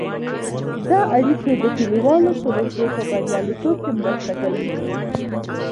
دا اړیکې د کلیوالو پروژو په بریالیتوب کې مرسته کوي.